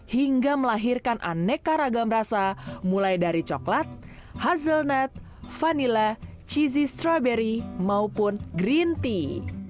hingga melahirkan aneka ragam rasa mulai dari coklat hazelnut vanila cheese strawberry maupun green tea